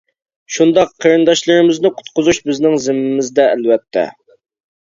شۇنداق قېرىنداشلىرىمىزنى قۇتقۇزۇش بىزنىڭ زىممىمىزدە، ئەلۋەتتە.